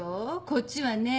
こっちはね